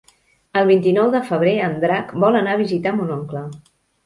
El vint-i-nou de febrer en Drac vol anar a visitar mon oncle.